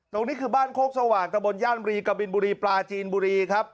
ตรงนี้คือบ้านโคกสว่างตะบนย่านรีกะบินบุรีปลาจีนบุรีครับ